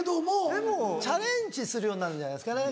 でもチャレンジするようになるんじゃないですかね